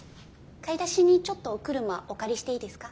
買い出しにちょっとお車お借りしていいですか？